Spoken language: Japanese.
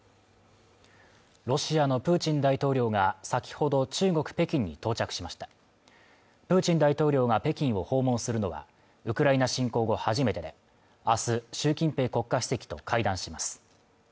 ロシアのプーチン大統領が先ほど中国・北京に到着しましたプーチン大統領が北京を訪問するのはウクライナ侵攻を初めてで明日習近平国家主席と会談します